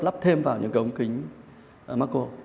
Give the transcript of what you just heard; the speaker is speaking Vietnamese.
lắp thêm vào những cái ống kính macro